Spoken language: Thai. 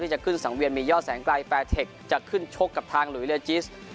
ที่จะขึ้นสังเวียนมียอดแสงไกรจะขึ้นชกกับทางหลุยเรือจีส